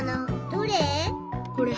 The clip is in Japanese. どれ？